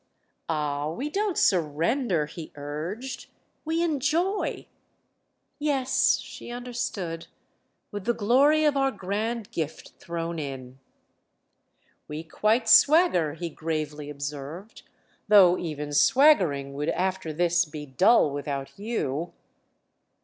"Ah, we don't surrender," he urged—"we enjoy!" "Yes," she understood: "with the glory of our grand gift thrown in." "We quite swagger," he gravely observed—"though even swaggering would after this be dull without you."